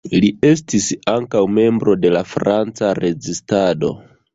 Li estis ankaŭ membro de la Franca rezistado.